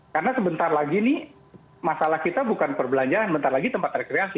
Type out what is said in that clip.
karena sebentar lagi ini masalah kita bukan perbelanjaan sebentar lagi tempat rekreasi